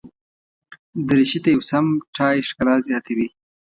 دریشي ته یو سم ټای ښکلا زیاتوي.